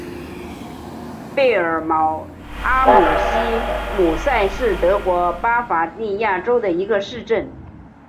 贝尔瑙阿姆希姆塞是德国巴伐利亚州的一个市镇。